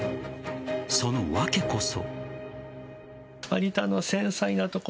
その訳こそ。